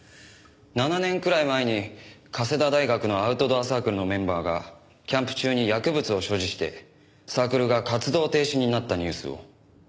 ７年くらい前に加世田大学のアウトドアサークルのメンバーがキャンプ中に薬物を所持してサークルが活動停止になったニュースを。